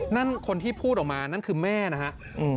นั่นคนที่พูดออกมานั่นคือแม่นะครับ